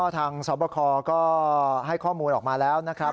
ทางสอบคอก็ให้ข้อมูลออกมาแล้วนะครับ